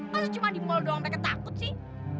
masa cuma di mall doang mereka takut sih